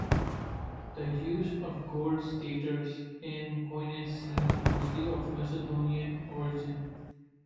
The use of gold staters in coinage seems mostly of Macedonian origin.